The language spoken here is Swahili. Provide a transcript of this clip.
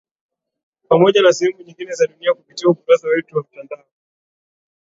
Pamoja na sehemu nyingine za dunia kupitia ukurasa wetu wa mtandao